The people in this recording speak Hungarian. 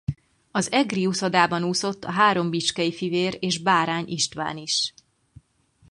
Az egri uszodában úszott a három Bitskey fivér és Bárány István is.